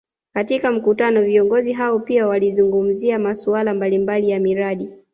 Katika mkutano viongozi hao pia walizungumzia masuala mbalimbali ya miradi